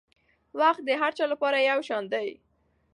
وخت د هر چا لپاره یو شان دی.